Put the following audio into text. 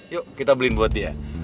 yuk kita beliin buat dia